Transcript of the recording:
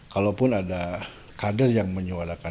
kalau pun ada kader yang menyuadakan